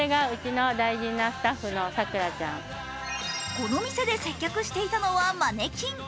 この店で接客していたのはマネキン。